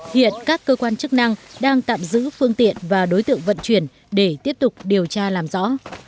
hiện các cơ quan chức năng đang tạm giữ phương tiện và đối tượng vận chuyển để tiếp tục điều tra làm rõ